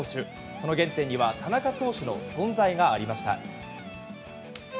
その原点には田中投手の存在がありました。